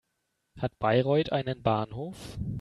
Hat Bayreuth einen Bahnhof?